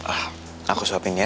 ah aku suapin ya